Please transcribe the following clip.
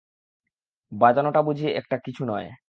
বাজানোটা বুঝি একটা কিছু নয়।